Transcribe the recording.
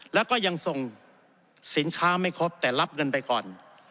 แล้วก็ยังส่งสินค้าไม่ครบแต่รับเงินไปก่อน